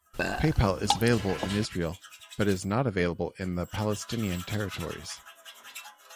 PayPal is available in Israel but is not available in the Palestinian territories.